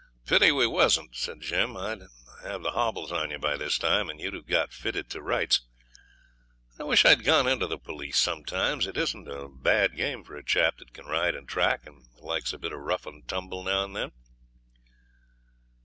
'Pity we wasn't,' said Jim; 'I'd have the hobbles on you by this time, and you'd have got "fitted" to rights. I wish I'd gone into the police sometimes. It isn't a bad game for a chap that can ride and track, and likes a bit of rough and tumble now and then.'